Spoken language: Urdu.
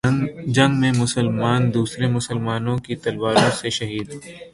جنگ میں مسلمان دوسرے مسلمانوں کی تلواروں سے شہید